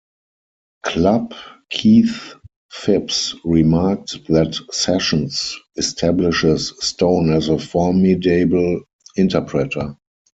Club", Keith Phipps remarked that "Sessions" establishes Stone as a formidable interpreter.